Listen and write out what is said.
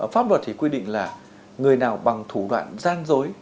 pháp luật thì quy định là người nào bằng thủ đoạn gian dối